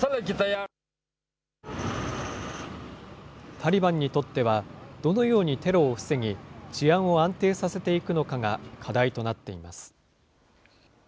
タリバンにとっては、どのようにテロを防ぎ、治安を安定させていくのかが課題となっています。